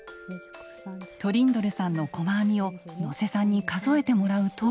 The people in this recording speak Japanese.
トリンドルさんの細編みを能勢さんに数えてもらうと。